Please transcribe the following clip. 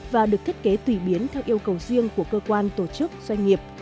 và được thiết kế tùy biến theo yêu cầu riêng của cơ quan tổ chức doanh nghiệp